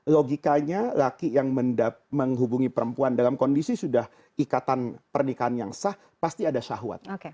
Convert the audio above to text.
logikanya laki yang menghubungi perempuan dalam kondisi sudah ikatan pernikahan yang sah pasti ada syahwat